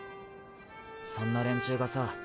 そんな連中がさ